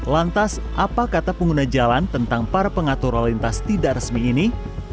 lantas apa kata pengguna jalan tentang para pengatur lalu lintas tidak resmi ini